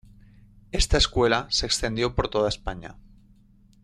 Esta escuela se extendió por toda España.